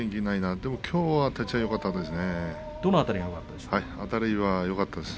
でも、きょうは立ち合いがよかったですね。